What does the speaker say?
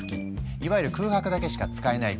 いわゆる空白だけしか使えない言語。